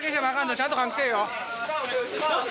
ちゃんと換気せえよ！